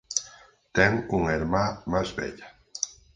Ten unha irmá máis vella.